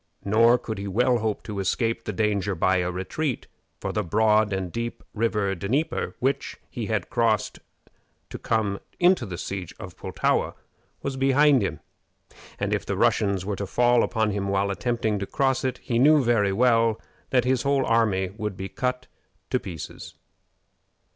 Nor could he well hope to escape the danger by a retreat, for the broad and deep river Dnieper, which he had crossed to come to the siege of Pultowa, was behind him, and if the Russians were to fall upon him while attempting to cross it, he knew very well that his whole army would be cut to pieces.